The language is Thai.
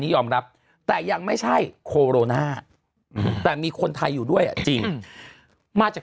ยอมรับแต่ยังไม่ใช่โคโรนาแต่มีคนไทยอยู่ด้วยอ่ะจริงมาจาก